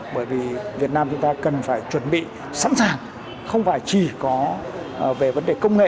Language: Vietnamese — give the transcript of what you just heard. bởi vì việt nam chúng ta cần phải chuẩn bị sẵn sàng không phải chỉ có về vấn đề công nghệ